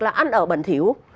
là ăn ở bẩn thiếu